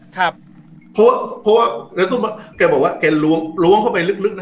ครับเพราะว่าแกบอกว่าแกล้วงล้วงเข้าไปลึกลึกนะ